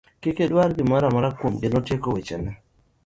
Kik udwa gimoro amora kuom gi, notieko weche ne.